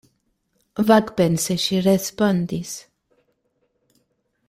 Vagpense ŝi respondis: